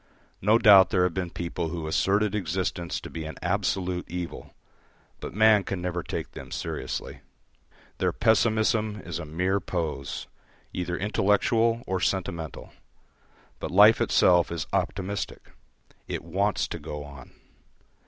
No doubt there have been people who asserted existence to be an absolute evil, but man can never take them seriously. Their pessimism is a mere pose, either intellectual or sentimental; but life itself is optimistic: it wants to go on.